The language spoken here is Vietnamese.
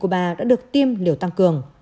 và cuba đã được tiêm liều tăng cường